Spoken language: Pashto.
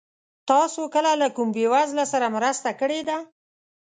تاسو کله له کوم بېوزله سره مرسته کړې ده؟